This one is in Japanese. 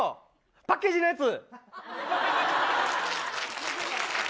パッケージのやつ。